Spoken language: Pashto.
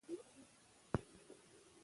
احمدشاه بابا د ولس د یووالي سمبول دی.